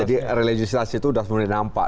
jadi religisitasi itu sudah semudah nampak